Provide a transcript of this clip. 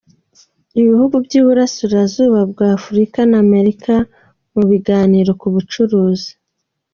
Ibihugu by’iburasira zuba bw’afurica na Amerika mu biganiro ku bucuruzi